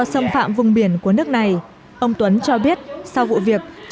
xâm phạm vùng biển của nước này ông tuấn cho biết sau vụ việc